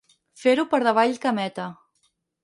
Fer-ho per davall cameta.